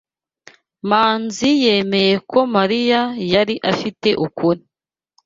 Manzi yamenye ko Mariya yari afite ukuri.